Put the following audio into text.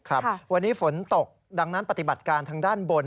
วันนี้ฝนตกดังนั้นปฏิบัติการทางด้านบน